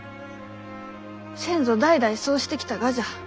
先祖代々そうしてきたがじゃ。